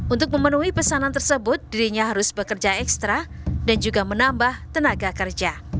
untuk memenuhi pesanan tersebut dirinya harus bekerja ekstra dan juga menambah tenaga kerja